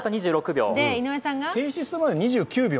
停止するまで２９秒。